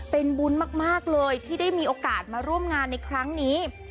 เป็นบุญมากเลยที่ได้มีโอกาสมาร่วมงานในครั้งนี้